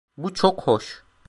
Bu çok hoş.